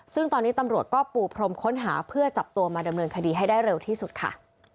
ซึ่งตอนนี้ตำรวจก็ปูพรมค้นหาเพื่อจับตัวมาดำเนินคดีให้ได้เร็วที่สุดค่ะ